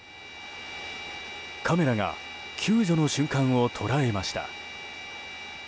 カメラが救助の瞬間を捉えました。